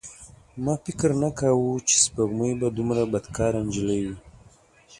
ما فکر نه کاوه چې سپوږمۍ به دومره بدکاره نجلۍ وي.